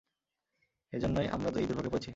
এইজন্যই আমরা এই দুর্ভোগে পরেছি!